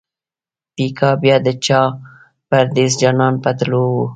بیګا بیا د چا پردېس جانان په تلو وو